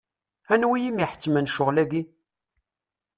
Anwi i m-iḥettmen ccɣel-agi?